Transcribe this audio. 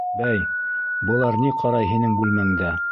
Бәй, былар ни ҡарай һинең бүлмәңдә?